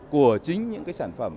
của chính những sản phẩm